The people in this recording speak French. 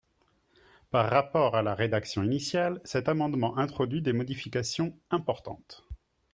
Par rapport à la rédaction initiale, cet amendement introduit des modifications importantes.